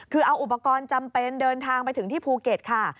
คือเอาอุปกรณ์จำเป็นเดินทางไปถึงที่ภูเก็ตค่ะ